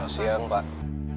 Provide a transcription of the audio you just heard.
kenapa kalian menemukan